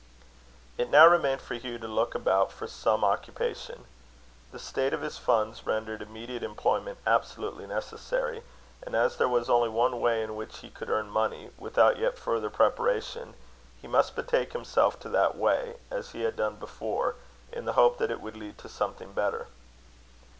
It now remained for Hugh to look about for some occupation. The state of his funds rendered immediate employment absolutely necessary; and as there was only one way in which he could earn money without yet further preparation, he must betake himself to that way, as he had done before, in the hope that it would lead to something better.